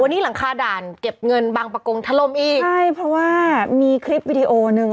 วันนี้หลังคาด่านเก็บเงินบางประกงถล่มอีกใช่เพราะว่ามีคลิปวิดีโอหนึ่ง